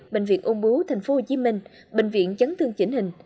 bệnh viện ôn bú thành phố hồ chí minh bệnh viện chấn thương chỉnh hình